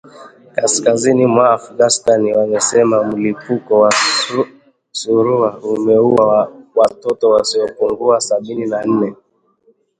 kaskazini mwa Afghanistan amesema mlipuko wa surua umeua watoto wasiopungua sabini na nne